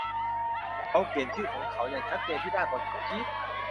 เขาเขียนชื่อของเขาอย่างชัดเจนที่ด้านบนของชีท